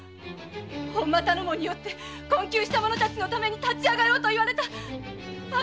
「本間頼母によって困窮した者たちのために立ちあがろう」と言われたあのお言葉は？